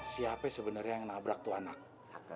siapa sebenarnya yang nabrak tuh anak